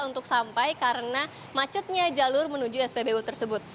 untuk sampai karena macetnya jalur menuju spbu tersebut